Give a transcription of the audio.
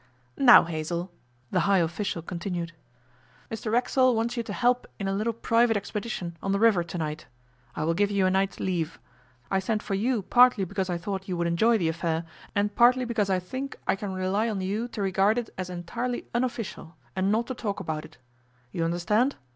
'Now, Hazell,' the high official continued, 'Mr Racksole wants you to help in a little private expedition on the river to night. I will give you a night's leave. I sent for you partly because I thought you would enjoy the affair and partly because I think I can rely on you to regard it as entirely unofficial and not to talk about it. You understand?